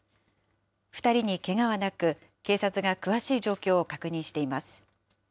２人にけがはなく、警察が詳しい状況を確認しています。